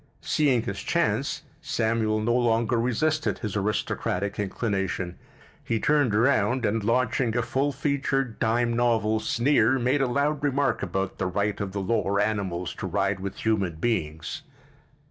Seeing his chance, Samuel no longer resisted his aristocratic inclination. He turned around and, launching a full featured, dime novel sneer, made a loud remark about the right of the lower animals to ride with human beings.